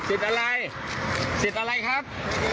สิทธิ์อะไรครับ